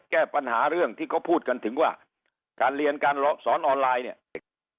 แก้ปัญหาเรื่องที่เขาพูดกันถึงว่าการเรียนการสอนออนไลน์เนี่ย